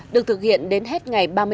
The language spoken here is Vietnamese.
được thực hiện đến hết ngày